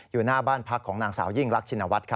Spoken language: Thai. อยู่หน้าบ้านพักของนางสาวยิ่งรักชินวัฒน์